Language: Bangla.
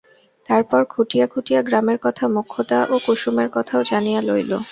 তারপর খুঁটিয়া খুঁটিয়া গ্রামের কথা, মোক্ষদা ও কুসুমের কথাও জানিয়া লইল।